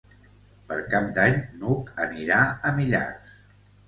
Per Cap d'Any n'Hug anirà a Millars.